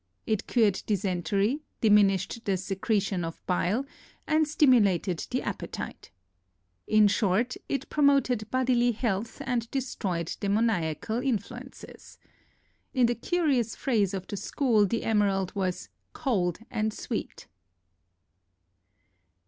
It cured dysentery, diminished the secretion of bile, and stimulated the appetite. In short, it promoted bodily health and destroyed demoniacal influences. In the curious phrase of the school the emerald was "cold and sweet."